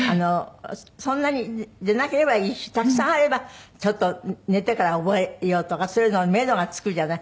そんなになければいいしたくさんあればちょっと寝てから覚えようとかそういうのめどが付くじゃない。